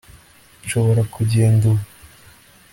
Nshobora kugenda ubu